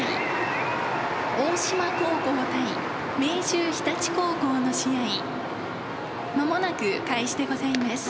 秀日立高校の試合間もなく開始でございます」。